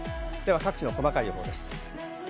各地の細かい予報です。